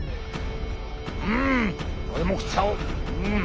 うん俺も食っちゃおう。